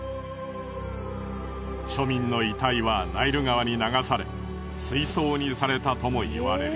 庶民の遺体はナイル川に流され水葬にされたとも言われる。